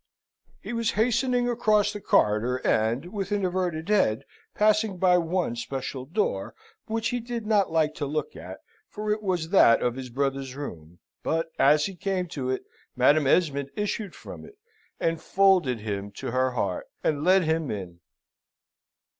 He was hastening across the corridor, and, with an averted head, passing by one especial door, which he did not like to look at, for it was that of his brother's room; but as he came to it, Madam Esmond issued from it, and folded him to her heart, and led him in.